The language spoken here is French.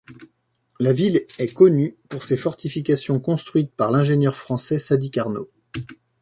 La ville est connue pour ses fortifications construites par l'ingénieur français Sadi Carnot.